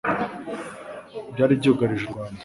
byari byugarije u Rwanda